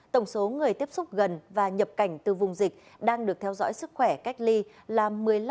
tổng số người tiếp xúc gần và nhập cảnh từ vùng dịch đang được theo dõi sức khỏe cách ly là một mươi năm